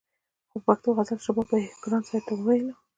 خو د پښتو غزل شباب به يې ګران صاحب ته ويلو